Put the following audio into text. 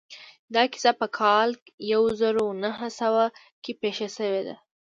دا کيسه په کال يو زر و نهه سوه کې پېښه شوې ده.